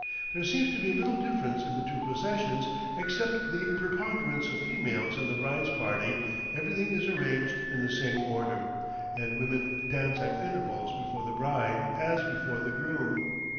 There seems to be little difference in the two processions, except the preponderance of females in the bride's party; everything is arranged in the same order, and women dance at intervals before the bride as before the groom.